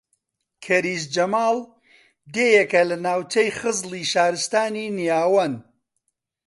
کەریز جەماڵ دێیەکە لە ناوچەی خزڵی شارستانی نیاوەن